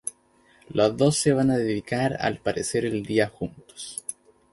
Los dos se van a dedicar al parecer el día juntos.